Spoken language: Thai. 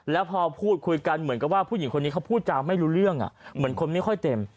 แล้วพอพูดคุยกันเหมือนกับว่าผู้หญิงคนนี้เขาพูดจาไม่รู้เรื่องเหมือนคนไม่ค่อยเต็ม